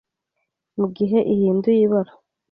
mu gihe ihinduye ibara,